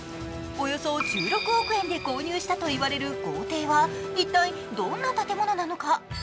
およそ１６億円で購入したと言われる豪邸は、一体、どんな建物なのか。